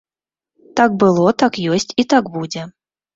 Так было, так ёсць і так будзе.